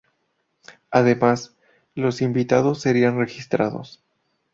Además, los invitados serían registrados.